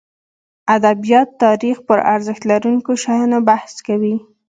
ادبیات تاریخ پرارزښت لرونکو شیانو بحث کوي.